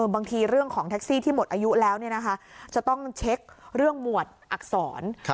บางทีเรื่องของแท็กซี่ที่หมดอายุแล้วจะต้องเช็คเรื่องหมวดอักษร